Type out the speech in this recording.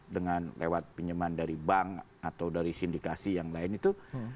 dengan lewat pinjaman dari bank atau dari sindikasi yang lain itu